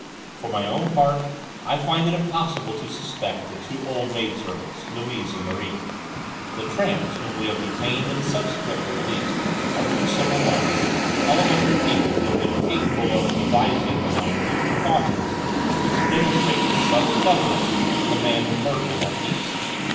For my own part I find it impossible to suspect the two old maidservants, Louise and Marie; the tramps whom we have detained and subsequently released are too simple minded, elementary people to have been capable of devising the minute precautions which demonstrate the subtle cleverness of the man who murdered the Marquise.